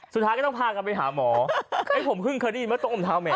สุดท้ายก็ต้องพากันไปหาหมอผมเพิ่งเคยได้ยินเมื่อต้องอมเท้าแม่